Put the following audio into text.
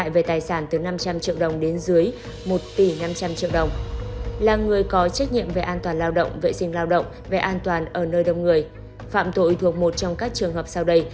vi phạm quy định về an toàn lao động vệ sinh lao động về an toàn ở nơi đông người trong trường hợp